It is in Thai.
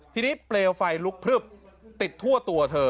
ทีนี้เปลวไฟลุกพลึบติดทั่วตัวเธอ